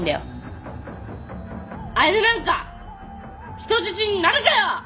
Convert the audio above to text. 「彩音なんか人質になるかよ！」